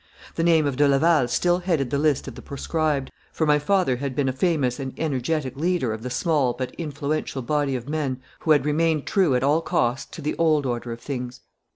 The name of de Laval still headed the list of the proscribed, for my father had been a famous and energetic leader of the small but influential body of men who had remained true at all costs to the old order of things.